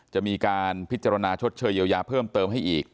จะมีการพิจารณาชดเชยเยียวยาเพิ่มเติมให้อีก